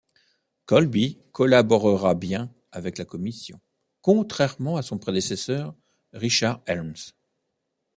Colby collaborera bien avec la commission, contrairement à son prédécesseur Richard Helms.